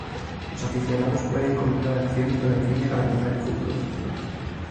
Los aficionados pueden comprar acciones con el fin de garantizar el futuro del club.